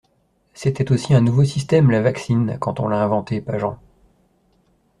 «C'était aussi un nouveau système, la vaccine, quand on l'a inventée, Pageant.